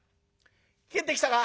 帰ってきたか？